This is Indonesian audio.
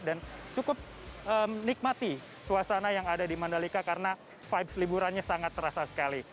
jadi saya sangat menikmati suasana yang ada di mandalika karena vibes liburannya sangat terasa sekali